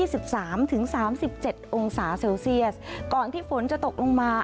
สิบสามถึงสามสิบเจ็ดองศาเซลเซียสก่อนที่ฝนจะตกลงมา